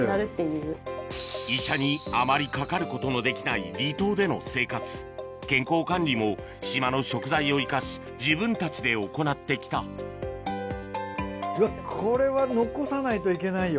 医者にあまりかかることのできない離島での生活健康管理も島の食材を生かし自分たちで行ってきたこれは。